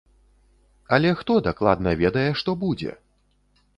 Але хто дакладна ведае, што будзе?